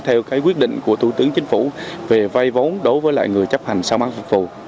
theo cái quyết định của tủ tướng chính phủ về vay vốn đối với lại người chấp hành xong án phạt tù